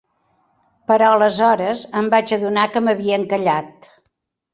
Però aleshores em vaig adonar que m'havia encallat.